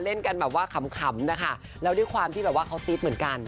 เล่นกันแบบว่าขำนะคะแล้วด้วยความที่แบบว่าเขาซีดเหมือนกัน